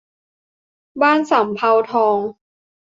บ้านสำเภาทอง